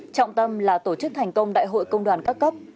trọng tâm là tổ chức thành công đại hội công đoàn các cấp